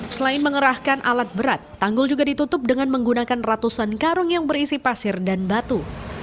selain mengerahkan alat berat tanggul juga ditutup dengan menggunakan ratusan karung yang berisi pasir dan batu